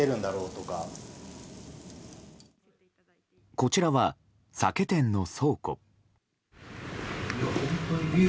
こちらは酒店の倉庫。